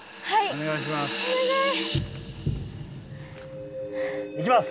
お願いします。